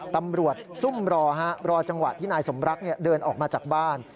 ตำรวจซุ่มรอจังหวะที่นายสมรักเดินออกมาจากบ้าน